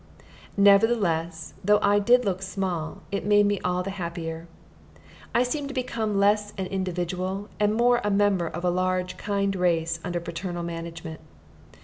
Nevertheless, though I did look small, it made me all the happier. I seemed to become less an individual, and more a member of a large kind race under paternal management.